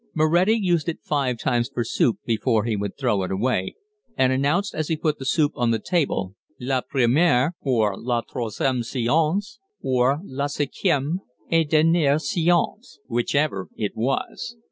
Moretti used it five times for soup before he would throw it away, and announced, as he put the soup on the table, "La première," or "La troisième séance," or "La cinquième et dernière séance," whichever it was.